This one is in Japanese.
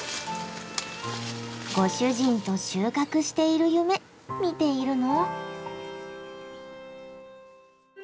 ご主人と収穫している夢見ているの？